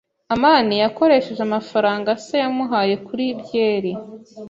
amani yakoresheje amafaranga se yamuhaye kuri byeri.